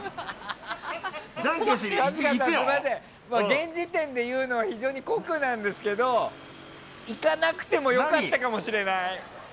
現時点で言うのは非常に酷なんですけど行かなくてもよかったかもしれない。